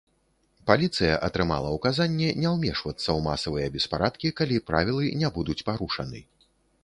Паліцыя атрымала ўказанне не ўмешвацца ў масавыя беспарадкі, калі правілы не будуць парушаны.